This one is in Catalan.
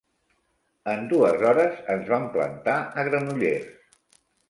En dues hores ens vam plantar a Granollers.